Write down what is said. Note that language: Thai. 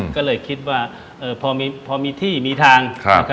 ก็เลยคิดว่าพอมีที่มีทาง